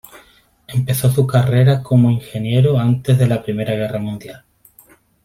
Empezó su carrera como ingeniero antes de la Primera Guerra Mundial.